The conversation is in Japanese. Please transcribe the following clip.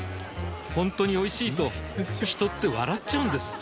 ほんとにおいしいと人って笑っちゃうんです